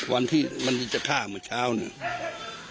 วันที่มันจะฆ่าเมื่อเช้าเนี่ย